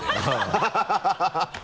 ハハハ